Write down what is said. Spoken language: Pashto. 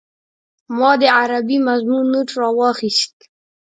ما د عربي مضمون نوټ راواخيست.